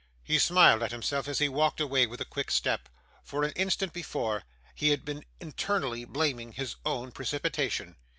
He smiled at himself as he walked away with a quick step; for, an instant before, he had been internally blaming his own precipitation.